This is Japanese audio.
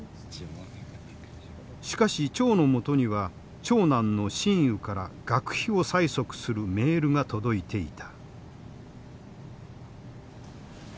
しかし張のもとには長男の新雨から学費を催促するメールが届いていた。